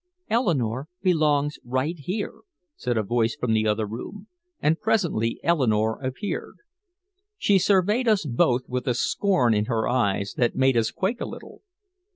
"Eleanore belongs right here," said a voice from the other room, and presently Eleanore appeared. She surveyed us both with a scorn in her eyes that made us quake a little.